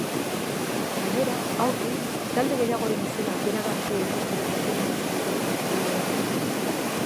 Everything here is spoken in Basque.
Gainera, aurki talde gehiagoren izenak iragarriko dituztela jakinarazi dute antolatzaileek.